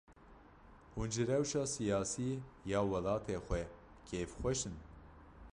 Hûn ji rewşa siyasî ya welatê xwe kêfxweş in?